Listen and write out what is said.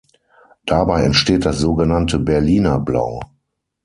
Dabei entsteht das sogenannte Berliner Blau.